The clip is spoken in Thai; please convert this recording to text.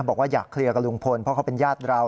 บอกว่าอยากเคลียร์กับลุงพลเพราะเขาเป็นญาติเรา